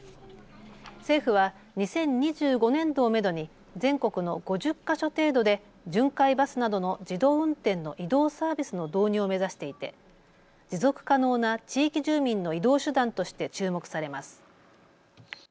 政府は２０２５年度をめどに全国の５０か所程度で巡回バスなどの自動運転の移動サービスの導入を目指していて持続可能な地域住民の移動手段として注目されます。